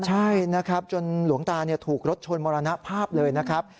ใช่นะครับจนหลวงตาถูกรถชนมรณภาพเลยนะครับ